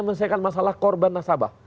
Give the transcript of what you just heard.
mencahaya masalah korban nasabah